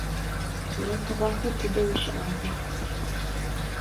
О тыгъуасэ тыдэ ущыӏагъа?